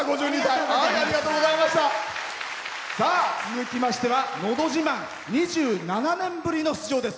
続きましては「のど自慢」２７年ぶりの出場です。